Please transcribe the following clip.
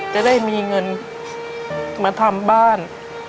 จะได้มีเงินมาทำบ้าน